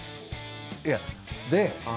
いやで。